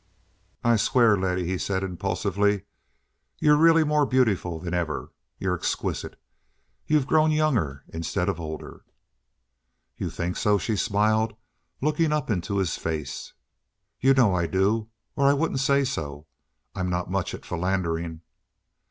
"I swear, Letty," he said impulsively, "you're really more beautiful than ever. You're exquisite. You've grown younger instead of older." "You think so?" she smiled, looking up into his face. "You know I do, or I wouldn't say so. I'm not much on philandering."